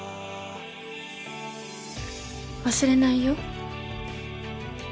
忘れないよ。